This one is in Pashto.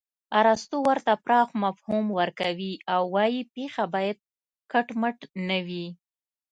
ارستو ورته پراخ مفهوم ورکوي او وايي پېښه باید کټ مټ نه وي